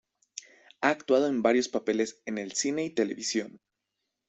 Ha actuado en varios papeles en el cine y televisión.